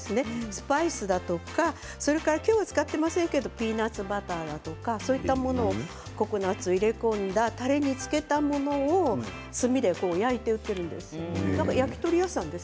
スパイスだとか今日使っていませんがピーナツバターだとかそういったものをココナツを入れ込んだたれに漬け込んだものを炭で焼いて売っているんです。